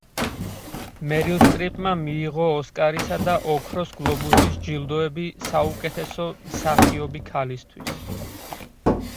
მერილ სტრიპმა მიიღო ოსკარისა და ოქროს გლობუსის ჯილდოები საუკეთესო მსახიობი ქალისთვის.